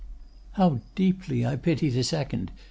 "How deeply I pity the second!"